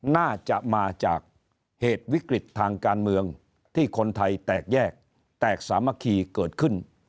น่าจะมาจากเหตุวิกฤตทางการเมืองที่คนไทยแตกแยกแตกสามัคคีเกิดขึ้น